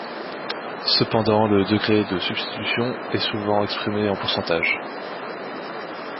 Cependant, le degré de substitution est souvent exprimée en pourcentages.